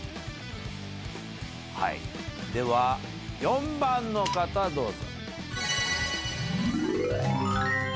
では４番の方どうぞ。